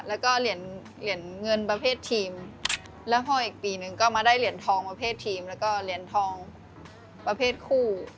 แล้วก็เหรียญเหรียญเงินประเภททีมแล้วพออีกปีนึงก็มาได้เหรียญทองประเภททีมแล้วก็เหรียญทองประเภทคู่